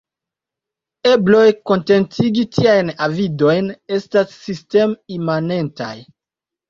Ebloj kontentigi tiajn avidojn estas sistem-imanentaj.